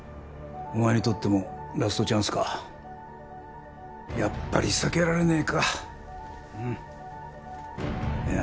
お前にとってもラストチャンスかやっぱり避けられねえかうんいや